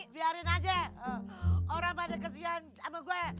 biarin aja orang pada kesian sama gue